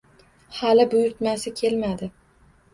Hali buyurtmasi kelmadi